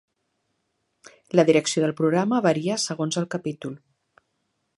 La direcció del programa varia segons el capítol.